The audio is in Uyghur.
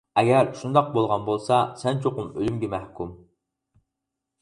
ئەگەر شۇنداق بولغان بولسا، سەن چوقۇم ئۆلۈمگە مەھكۇم.